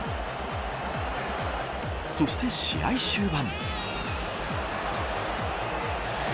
そして試合終盤。